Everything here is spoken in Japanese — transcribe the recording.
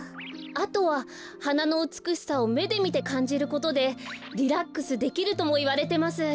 あとははなのうつくしさをめでみてかんじることでリラックスできるともいわれてます。